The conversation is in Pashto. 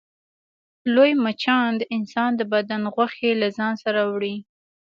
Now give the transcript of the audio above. لوی مچان د انسان د بدن غوښې له ځان سره وړي